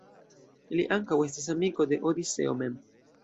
Li ankaŭ estis amiko de Odiseo mem.